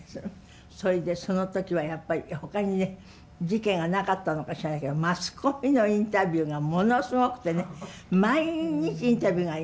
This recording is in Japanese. それでその時はやっぱりほかにね事件がなかったのか知らないけどマスコミのインタビューがものすごくてね毎日インタビューがありました。